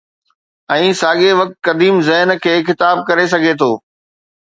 ۽ ساڳئي وقت قديم ذهن کي خطاب ڪري سگهي ٿو.